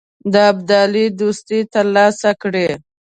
د ابدالي دوستي تر لاسه کړي.